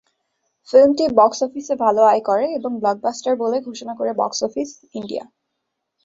ফিল্মটি box অফিসে ভালো আয় করে এবং "ব্লকবাস্টার" বলে ঘোষণা করে বক্স অফিস ইন্ডিয়া।